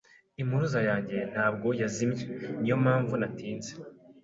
Impuruza yanjye ntabwo yazimye. Niyo mpamvu natinze.